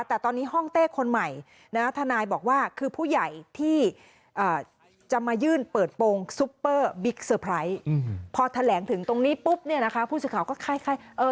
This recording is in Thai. แต่ตอนนี้ห้องเต้คนใหม่นะทนายบอกว่าคือผู้ใหญ่ที่จะมายื่นเปิดโปรงซุปเปอร์บิ๊กเซอร์ไพรส์พอแถลงถึงตรงนี้ปุ๊บเนี่ยนะคะผู้สื่อข่าวก็ไข้เออ